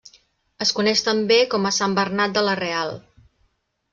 Es coneix també com a Sant Bernat de la Real.